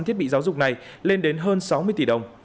thiết bị giáo dục này lên đến hơn sáu mươi tỷ đồng